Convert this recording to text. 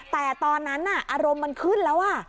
แต่ตอนนั้นอารมณ์มันขึ้นแล้ว